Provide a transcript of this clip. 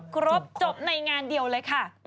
ครบจบในงานเดียวเลยค่ะ